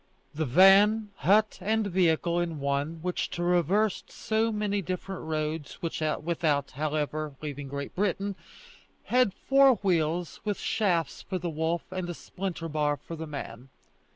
The van, hut, and vehicle in one, which traversed so many different roads, without, however, leaving Great Britain, had four wheels, with shafts for the wolf and a splinter bar for the man.